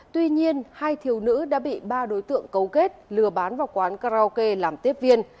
tuy nhiên hai thiếu nữ đã bị ba đối tượng cấu kết lừa bán vào quán karaoke làm tiếp viên